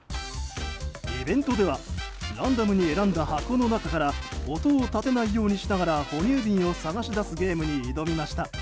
イベントではランダムに選んだ箱の中から音を立てないようにしながら哺乳瓶を探し出すゲームに挑みました。